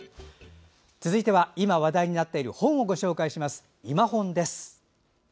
続いては今話題になっている本を紹介します。